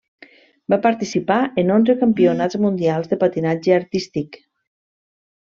Va participar en onze Campionats Mundials de Patinatge Artístic.